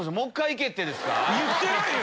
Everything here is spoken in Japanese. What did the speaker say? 言ってないよ！